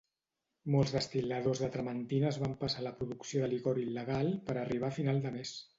Molts destil·ladors de trementina es van passar a la producció de licor il·legal per arribar a final de mes.